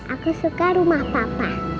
aku suka rumah papa